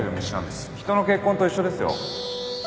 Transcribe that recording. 人の結婚と一緒ですよ